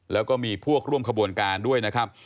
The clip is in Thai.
แล้วก็มีพวกร่วมขบวนการด้วยนะครับ